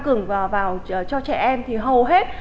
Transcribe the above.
cường vào vào cho trẻ em thì hầu hết